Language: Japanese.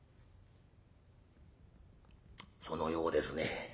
「そのようですね。